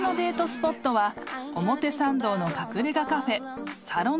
スポットは表参道の隠れ家カフェ］